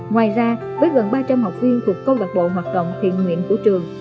ngoài ra với gần ba trăm linh học viên thuộc công đặc bộ hoạt động thiện nguyện của trường